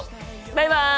バイバイ！